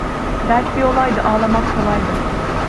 Dert bir olaydı ağlamak kolaydı.